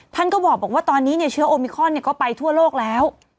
ท่านก็บอกว่าตอนนี้เชื้อโอมิคอนก็ไปทั่วโลกแล้ว